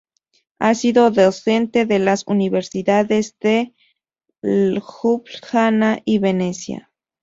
Ha sido docente en las universidades de Ljubljana y Venecia.